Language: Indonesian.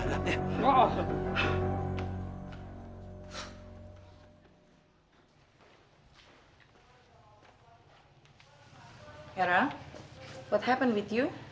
yara apa yang terjadi denganmu